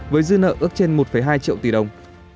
với dư nợ ước trên một hai triệu tỷ đồng